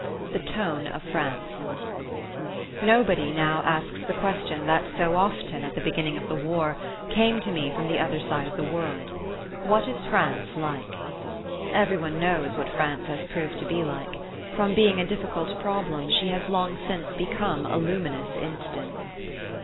THE TONE OF FRANCE Nobody now asks the question that so often, at the beginning of the war, came to me from the other side of the world: "What is France like?" Every one knows what France has proved to be like: from being a difficult problem she has long since become a luminous instance.